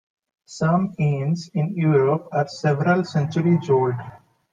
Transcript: Some inns in Europe are several centuries old.